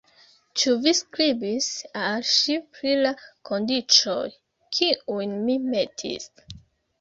Ĉu vi skribis al ŝi pri la kondiĉoj, kiujn mi metis?